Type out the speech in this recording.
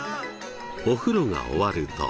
お風呂が終わると。